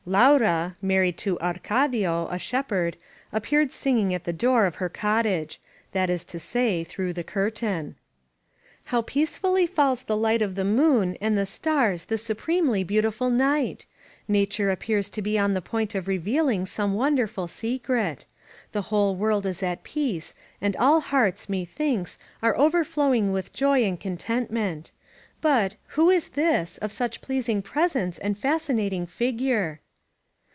Laura, married to Arcadio, a shepherd, appeared singing at the door of her cottage — that is to say, through the curtain. ••• 317 INSURGENT MEXICO ^*How peacefully falls the light of the moon and the stars this supremely beautiful night! Nature appears to be on the point of revealing some wonderful secret. The whole world is at peace, and all hearts, methinks, are overflowing with joy and contentment. ••• But — ^who is this — of such pleasing presence and fcuscinat ing figure?"